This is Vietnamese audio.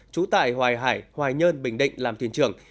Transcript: trú tại hoài hải hoài nhơn bình định làm thuyền trưởng